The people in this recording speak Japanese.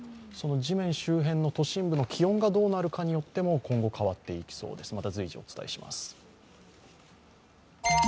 その地面周辺の都心部の気温がどうなるかによっても今後変わっていきそうです。